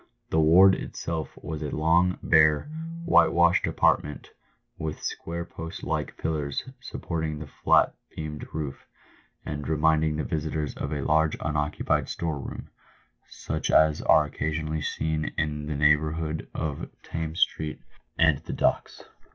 The ward itself was a long, bare, whitewashed apart ment, with square post like pillars supporting the flat beamed roof, and reminding the visitor of a large unoccupied store room — such as are occasionally seen in the neighbourhood of Thames street and the Docks.